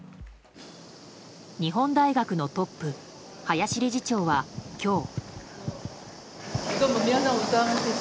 日本大学のトップ林理事長は今日。